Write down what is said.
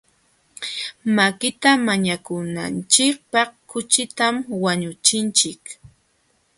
Makita mañakunachikpaq kuchitam wañuchinchik.